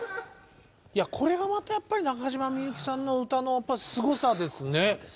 これがまたやっぱり中島みゆきさんの歌のすごさですね。